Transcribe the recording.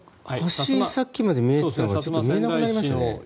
橋がさっきまで見えていたのがちょっと見えなくなりましたね。